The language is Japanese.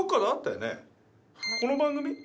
この番組？